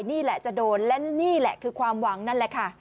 นี่แหละจะโดนและนี่แหละคือความหวังนั่นแหละค่ะ